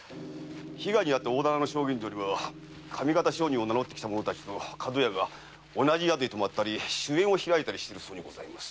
被害に遭った大店の証言によれば上方商人を名のった者たちと角屋が同じ宿に泊まったり酒宴を開いたりしてるそうです。